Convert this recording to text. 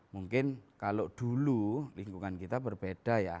mungkin kalau dulu lingkungan kita berbeda ya